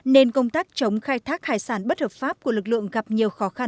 nên công tác chống khai thác hải sản bất hợp pháp của lực lượng gặp nhiều lần